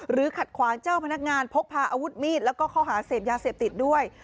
ขัดขวางเจ้าพนักงานพกพาอาวุธมีดแล้วก็ข้อหาเสพยาเสพติดด้วย